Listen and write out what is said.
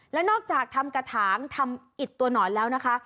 แล้วนอกจากทำกระถางทำอิดตัวหนอนแล้วนะคะ